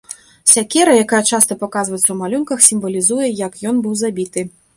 Сякера, якая часта паказваецца ў малюнках сімвалізуе, як ён быў забіты.